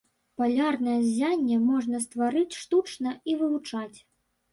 Палярнае ззянне можна стварыць штучна і вывучаць.